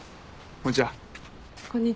こんにちは。